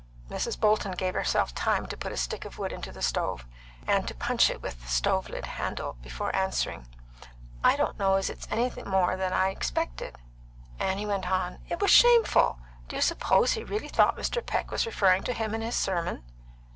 Mrs. Bolton gave herself time to put a stick of wood into the stove, and to punch it with the stove lid handle before answering. "I don't know as it's anything more than I expected." Annie went on: "It was shameful! Do you suppose he really thought Mr. Peck was referring to him in his sermon?"